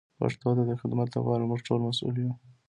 پښتو ته د خدمت لپاره موږ ټول مسئول یو.